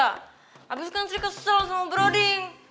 abis itu kan sri kesel sama broding